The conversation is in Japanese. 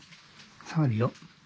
触るよ。